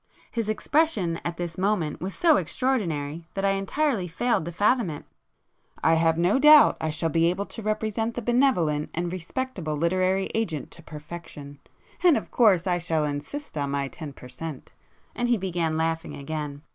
His expression at this moment was so extraordinary, that I entirely failed to fathom it. "I have no doubt I shall be able to represent the benevolent and respectable literary agent to perfection—of course I shall insist on my ten per cent.!"—and he began laughing again.